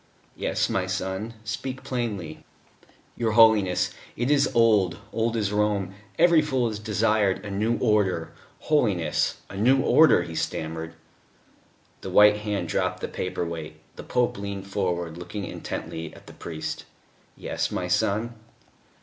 "Yes, my son, speak plainly." "Your Holiness it is old old as Rome every fool has desired it: a new Order, Holiness a new Order," he stammered. The white hand dropped the paper weight; the Pope leaned forward, looking intently at the priest. "Yes, my son?"